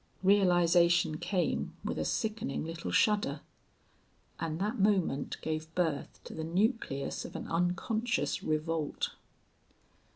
Realization came with a sickening little shudder. And that moment gave birth to the nucleus of an unconscious revolt.